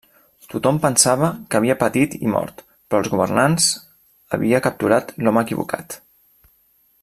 Tothom pensava que havia patit i mort, però els governants havia capturat l'home equivocat.